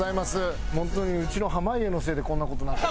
本当にうちの濱家のせいでこんな事になって。